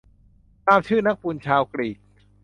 ตามชื่อนักบุญชาวกรีก